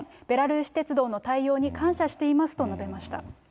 ベラルーシ鉄道の対応に感謝していると述べました。